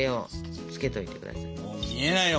もう見えないよ